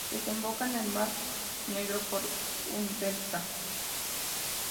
Desemboca en el mar Negro por un delta.